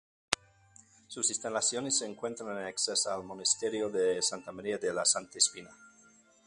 Sus instalaciones se encuentran anexas al Monasterio de Santa María de La Santa Espina.